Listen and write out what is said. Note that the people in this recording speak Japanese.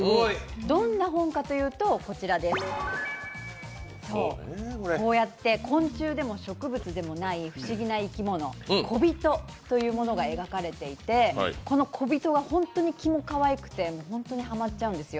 どんな本かというと、こうやって昆虫でも植物でもない不思議な生き物、「こびと」というものが描かれていて、このこびとが本当にキモかわいくて、本当にハマっちゃうんですよ。